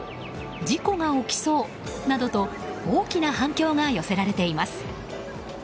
事故が起きそうなどと大きな反響が寄せられています。